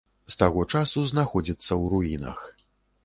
З таго часу знаходзіцца ў руінах.